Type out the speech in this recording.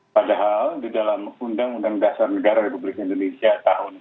padahal di dalam undang undang dasar negara republik indonesia tahun seribu sembilan ratus empat puluh